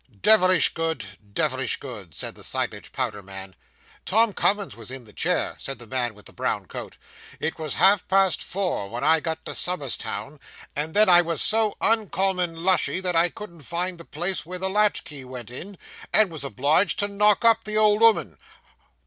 'Devilish good devilish good,' said the Seidlitz powder man. 'Tom Cummins was in the chair,' said the man with the brown coat. 'It was half past four when I got to Somers Town, and then I was so uncommon lushy, that I couldn't find the place where the latch key went in, and was obliged to knock up the old 'ooman.